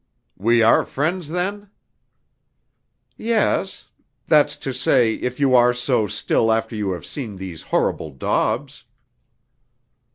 "We are friends, then?" "Yes. That's to say, if you are so still after you have seen these horrible daubs?"